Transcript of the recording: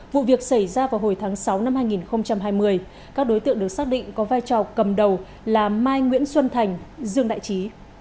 vụ việc xảy ra vào hồi tháng sáu năm hai nghìn hai mươi các đối tượng được xác định có vai trò cầm đầu là mai nguyễn xuân thành dương đại trí